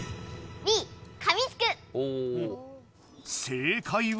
正解は？